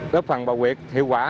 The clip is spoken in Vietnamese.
góp phần bảo quyệt hiệu quả